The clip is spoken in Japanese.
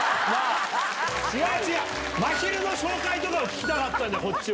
違う違う、まひるの紹介とかを聞きたかったんだ、こっちは。